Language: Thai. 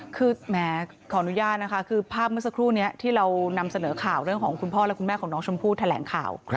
คือแหมขออนุญาตนะคะคือภาพเมื่อสักครู่นี้ที่เรานำเสนอข่าวเรื่องของคุณพ่อและคุณแม่ของน้องชมพู่แถลงข่าว